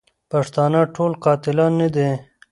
پښتانه ټول قاتلان نه دي.